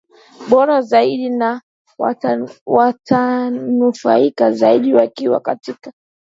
bora zaidi na watanufaika zaidi wakiwa katika